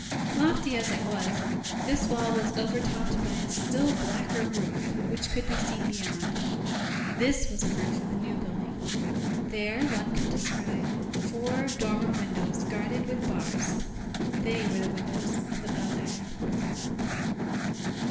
Lofty as it was, this wall was overtopped by a still blacker roof, which could be seen beyond. This was the roof of the New Building. There one could descry four dormer windows, guarded with bars; they were the windows of the Fine Air.